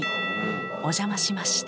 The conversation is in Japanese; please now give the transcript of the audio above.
お邪魔しました。